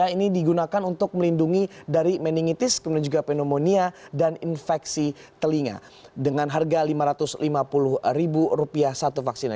ini digunakan untuk melindungi dari meningitis kemudian juga pneumonia dan infeksi telinga dengan harga rp lima ratus lima puluh satu vaksina